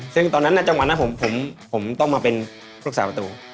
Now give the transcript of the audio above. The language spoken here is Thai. ซึ่งตอนนั้นจังหวะนั้นผมต้องมาเป็นลูกสาวประตู